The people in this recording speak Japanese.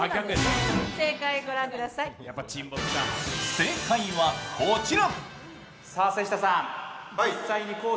正解はこちら。